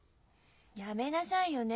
やめなさいよね